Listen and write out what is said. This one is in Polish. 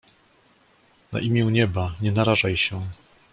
"na imię nieba, nie narażaj się!"